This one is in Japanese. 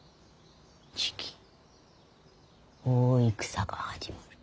じき大戦が始まる。